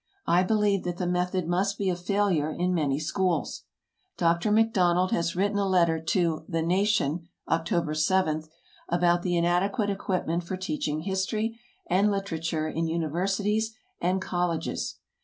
I believe that the method must be a failure in many schools. Dr. MacDonald has written a letter to the "Nation," October 7, about the inadequate equipment for teaching history and literature in universities and colleges.